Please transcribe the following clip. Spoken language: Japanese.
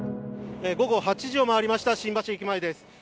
午後８時を回りました、新橋駅前です。